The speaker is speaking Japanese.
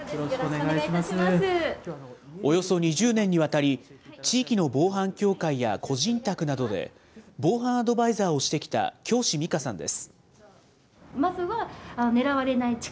およそ２０年にわたり、地域の防犯協会や個人宅などで、防犯アドバイザーをしてきた京師美佳さんです。